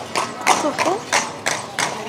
Tufiḍ-tt?